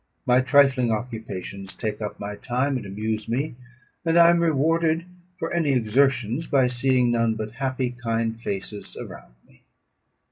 My trifling occupations take up my time and amuse me, and I am rewarded for any exertions by seeing none but happy, kind faces around me.